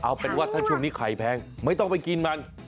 เอาเป็นว่าถ้าช่วงนี้ไข่แพงไม่ต้องไปกินมัน